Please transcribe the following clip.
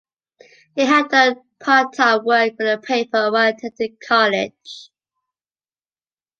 He had done part-time work for the paper while attending college.